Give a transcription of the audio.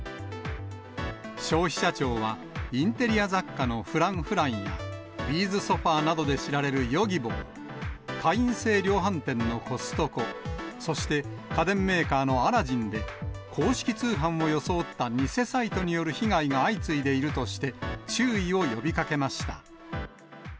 消費者庁は、インテリア雑貨のＦｒａｎｃｆｒａｎｃやビーズソファーなどで知られるヨギボー、会員制量販店のコストコ、そして家電メーカーのアラジンで、公式通販を装った偽サイトによる被害が相次いでいるとして、注意を呼びかけました。